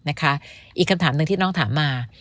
อีกคำถามหนึ่งที่น้องถามมา